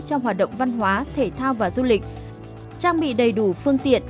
trong hoạt động văn hóa thể thao và du lịch trang bị đầy đủ phương tiện